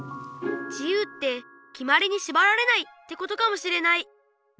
自由ってきまりにしばられないってことかもしれない。